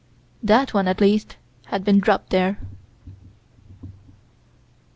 That one, at least, had been dropped there.